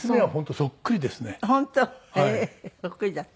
そっくりだって。